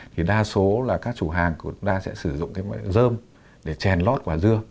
thì đa số là các chủ hàng cũng sẽ sử dụng dơm để chèn lót vào dưa